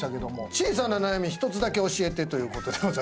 小さな悩み１つだけ教えてということで。